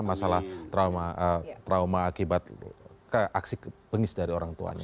masalah trauma akibat aksi bengis dari orang tuanya